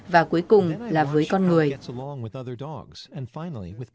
và cuối cùng là với con người